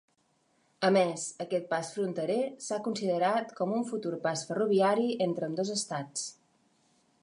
A més, aquest pas fronterer s'ha considerat com un futur pas ferroviari entre ambdós estats.